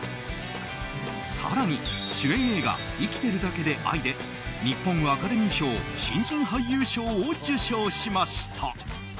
更に主演映画「生きてるだけで、愛」で日本アカデミー賞新人俳優賞を受賞しました。